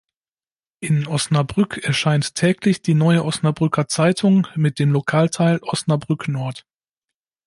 In Osnabrück erscheint täglich die Neue Osnabrücker Zeitung mit dem Lokalteil „Osnabrück Nord“.